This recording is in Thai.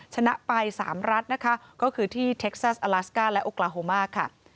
ชนะไป๓รัฐนะคะก็คือที่เท็กซัสอลาสก้าและโอกลาโฮมาค่ะ